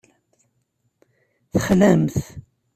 Texlamt.